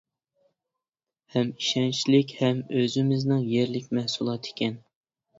ھەم ئىشەنچلىك ھەم ئۆزىمىزنىڭ يەرلىك مەھسۇلاتى ئىكەن.